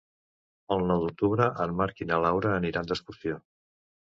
El nou d'octubre en Marc i na Laura aniran d'excursió.